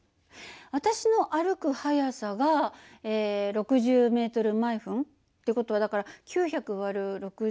私の歩く速さが６０ｍ／ｍって事はだから９００÷６０で１５分。